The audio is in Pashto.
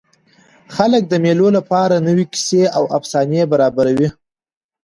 خلک د مېلو له پاره نوي کیسې او افسانې برابروي.